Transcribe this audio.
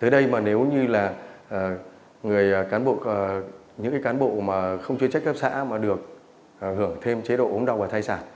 tới đây mà nếu như là những cán bộ mà không chuyên trách cấp xã mà được hưởng thêm chế độ ốm đau và thai sản